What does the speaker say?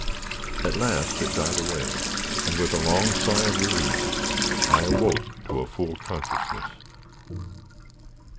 At last, it died away, and with a long sigh of relief I awoke to full consciousness.